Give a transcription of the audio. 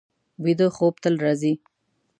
ویده خوب تل راځي